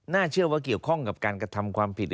เชื่อว่าเกี่ยวข้องกับการกระทำความผิด